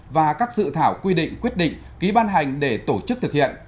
và các dự thảo quy định quyết định ký ban hành để tổ chức thực hiện